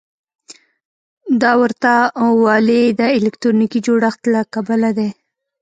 دا ورته والی د الکتروني جوړښت له کبله دی.